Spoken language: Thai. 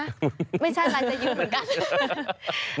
ไม่ใช่ราชายืมเหมือนกัน